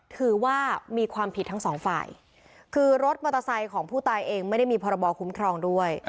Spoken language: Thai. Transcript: ถือว่ามีความผิดทั้งสองฝ่ายคือรถมอเตอร์ไซค์ของผู้ตายเองไม่ได้มีพรบคุ้มครองด้วย